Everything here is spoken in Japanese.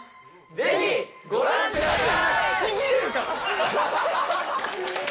ぜひご覧ください。